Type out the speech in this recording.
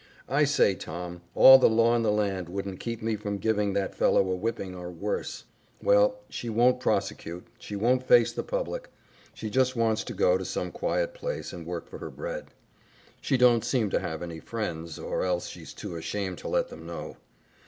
"I say, Tom, all the law in the land wouldn't keep me from giving that fellow a whipping or worse." "Well, she won't prosecute; she won't face the public; she just wants to go to some quiet place and work for her bread. She don't seem to have any friends, or else she's too ashamed to let them know."